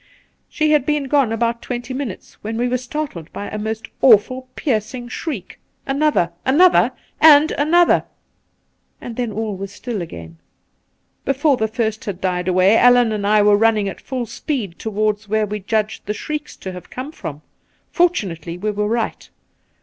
She had been gone about twenty minutes when we were startled by a most awful piercing shriek — another, another, and another and then all was still again. Before the first had died away Allan and I were running at full speed towards where we judged the shrieks to have come from. Fortunately we were right.